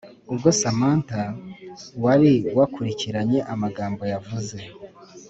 ubwo samantha wari wakurikiranye amagambo yavuze